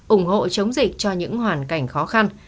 ủng hộ chống dịch cho những hoàn cảnh khó khăn